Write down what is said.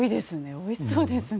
おいしそうですね。